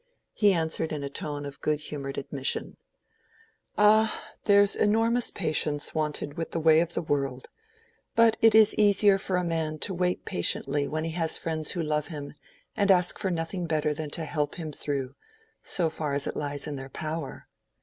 He answered in a tone of good humored admission— "Ah, there's enormous patience wanted with the way of the world. But it is the easier for a man to wait patiently when he has friends who love him, and ask for nothing better than to help him through, so far as it lies in their power."